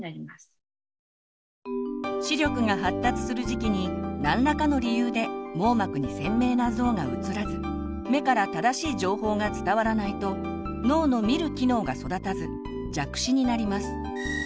視力が発達する時期に何らかの理由で網膜に鮮明な像がうつらず目から正しい情報が伝わらないと脳の「見る」機能が育たず弱視になります。